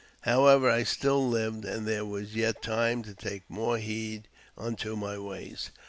However, I still lived, and there was yet time to take more heed unto my ways.